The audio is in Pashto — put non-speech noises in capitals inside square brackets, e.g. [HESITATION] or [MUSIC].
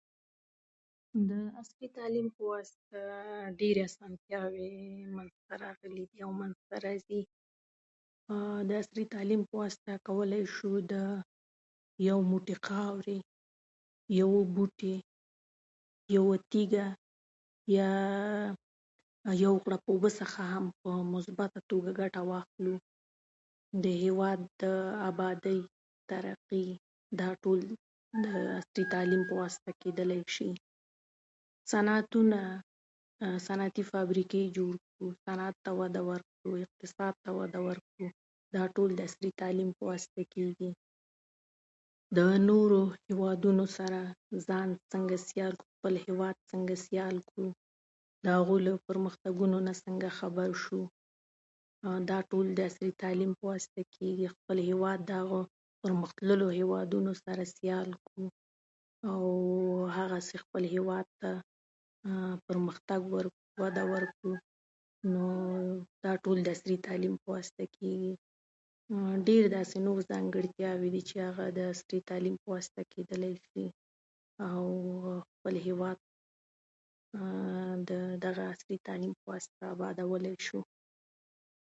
د عصري تعلیم په واسطه ډېرې اسانتیاوې منځته راغلي دي او منځته راځي. د عصري تعلیم په واسطه کولای شو د یو موټي خاورې، یو بوټي، یوه تیږه، بیا یو غوړپ اوبو څخه هم په مثبته توګه ګټه واخلو. د هېواد د ابادۍ، ترقي، دا ټول د عصري تعلیم په واسطه کېدلی شي. صنعتونه، صنعتي فابریکې جوړ کړو، صنعت ته وده ورکړو، اقتصاد ته وده ورکړو، دا ټول د عصري تعلیم په واسطه کېږي. د نورو هېوادونو سره ځان څنګه سیال کړو، خپل هېواد څنګه سیال کړو، هغوی له پرمختګونو نه څنګه خبر شو، دا ټول د عصري تعلیم په واسطه کېږي. خپل هېواد د هغو پرمختللو هېوادونو سره سیال کړو، او هغسې خپل هېواد ته پرمختګ ورکړو، وده ورکړو. نو دا ټول د عصري تعلیم په واسطه کېږي. ډېر داسې نورې ځانګړتیاوې دي چې هغه د عصري تعلیم په واسطه کېدلی شي، او خپل هېواد [HESITATION] د دغه عصري تعلیم په واسطه ابادولی شو.